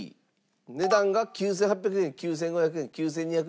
値段が９８００円９５００円９２００円。